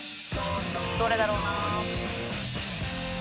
どれだろうな？